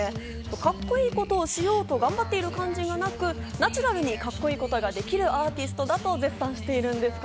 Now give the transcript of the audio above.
カッコいいことをしようと頑張っている感じがなく、ナチュラルにカッコいいことができるアーティストだと絶賛しているんです。